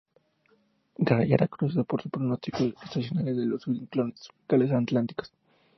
Gray era conocido por sus pronósticos estacionales de los ciclones tropicales Atlánticos.